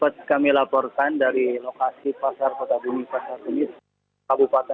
terima kasih rekan heranok